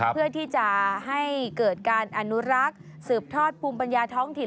เพื่อที่จะให้เกิดการอนุรักษ์สืบทอดภูมิปัญญาท้องถิ่น